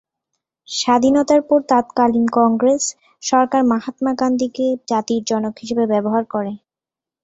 স্বাধীনতার পর তৎকালীন কংগ্রেস সরকার মহাত্মা গান্ধীকে জাতির জনক হিসেবে ব্যবহার করে।